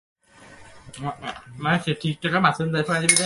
England ও আমেরিকার কথাও হইতে লাগিল।